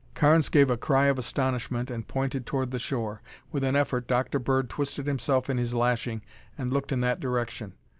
Carnes gave a cry of astonishment and pointed toward the shore. With an effort, Dr. Bird twisted himself in his lashing and looked in that direction.